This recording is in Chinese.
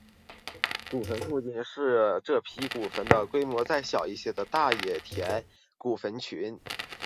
古坟附近是较这批古坟的规模再小一些的大野田古坟群。